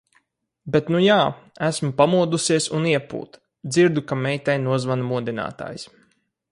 Bet nu jā, esmu pamodusies un iepūt! Dzirdu, ka meitai nozvana modinātājs.